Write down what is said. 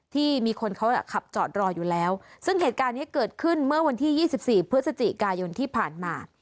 ที่มีคนเขาขับจอดรออยู่แล้วซึ่งเหตุการณ์นี้เกิดขึ้นเมื่อวันที่๒๔พฤศจิกายนที่ผ่านมา